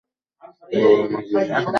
বাবা আমার ভিসার ব্যবস্থা করে দেন।